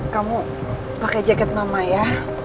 kamu pakai jaket mama ya